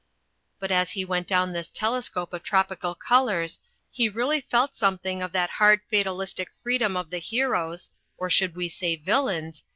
But as he went down this telescope of tropical col ours he really felt something of that hard fatalistic freedom of the heroes (or should we say villains?)